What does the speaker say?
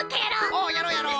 おっやろうやろう。